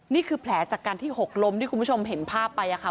นี่คือแผลจากการที่หกล้มที่คุณผู้ชมเห็นภาพไปค่ะ